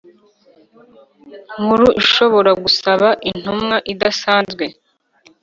Nkuru ishobora gusaba intumwa idasanzwe